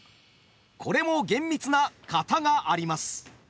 これも厳密な「型」があります。